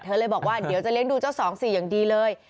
เธอเลยบอกว่าเดี๋ยวจะเล่นดูเจ้าสองศรีอย่างดีเลย